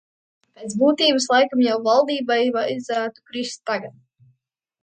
Pēc būtības, laikam jau valdībai vajadzētu krist tagad.